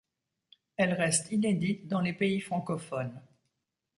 Elle reste inédite dans les pays francophones.